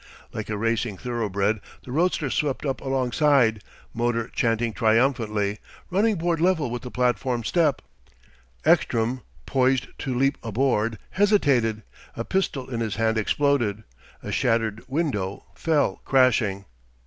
Like a racing thoroughbred the roadster swept up alongside, motor chanting triumphantly, running board level with the platform step. Ekstrom, poised to leap aboard, hesitated; a pistol in his hand exploded; a shattered window fell crashing.